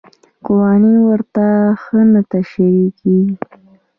قوانین ورته ښه نه تشریح کېږي.